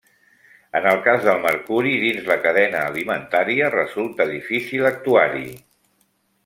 En el cas del mercuri dins la cadena alimentària resulta difícil actuar-hi.